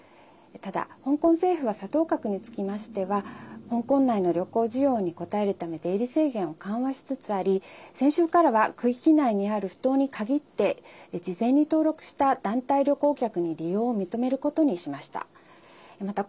ただ、香港政府は沙頭角につきましては香港内の旅行需要に応えるため出入り制限を緩和しつつあり先週からは区域内にある埠頭に限って事前に登録した団体旅行客に利用を認めることにしました。